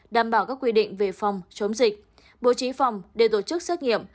đảm bảo các quy định về phòng chống dịch bố trí phòng để tổ chức xét nghiệm